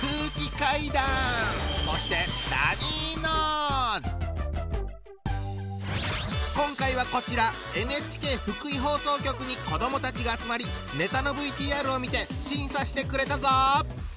そして今回はこちらＮＨＫ福井放送局に子どもたちが集まりネタのＶＴＲを見て審査してくれたぞ！